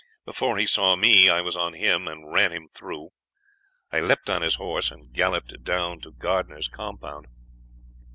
Before he saw me I was on him, and ran him through. I leapt on his horse and galloped down to Gardiner's compound.